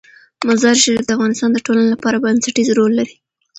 مزارشریف د افغانستان د ټولنې لپاره بنسټيز رول لري.